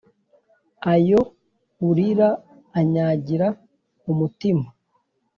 ayo urira anyagira umutima